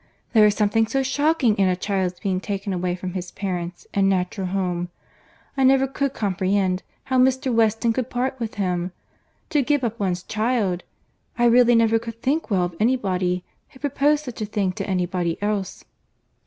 There is something so shocking in a child's being taken away from his parents and natural home! I never could comprehend how Mr. Weston could part with him. To give up one's child! I really never could think well of any body who proposed such a thing to any body else."